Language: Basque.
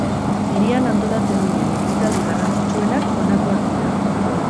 Hirian antolatzen diren ekitaldi garrantzitsuenak honakoak dira.